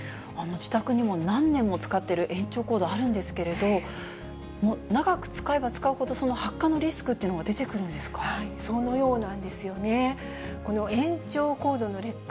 自宅にも何年も使っている延長コードあるんですけれども、長く使えば使うほど、発火のリスクっていうのが出てくるんですか？